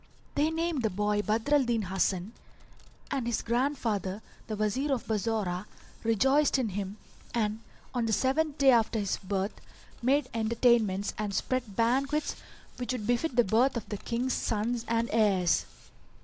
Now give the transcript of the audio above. They named the boy Badr al Din Hasan and his grandfather, the Wazir of Bassorah, rejoiced in him and, on the seventh day after his birth, made entertainments and spread banquets which would befit the birth of Kings' sons and heirs.